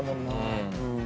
うん。